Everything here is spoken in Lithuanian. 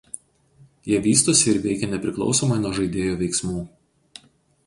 Jie vystosi ir veikia nepriklausomai nuo žaidėjo veiksmų.